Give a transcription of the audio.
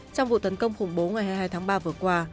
trong vụ tấn công khủng bố ngày hai mươi hai tháng ba vừa qua